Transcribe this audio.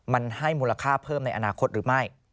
มันให้มูลค่าเพิ่มในอนาคตหรือไม่